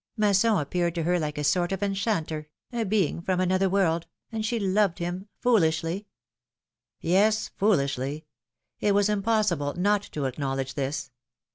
Mas son appeared to her like a sort of enchanter, a being from another world, and she loved him — foolishly —" Yes; foolishly! It was impossible not to acknowledge this.